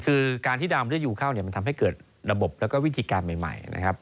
คือการที่ดามเลือดยูเข้าเนี่ยมันทำให้เกิดระบบแล้วก็วิธีการใหม่นะครับ